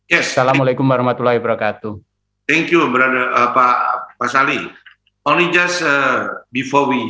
yes alamualaikum warahmatullahi wabarakatuh thank you brother apa pasali only just before we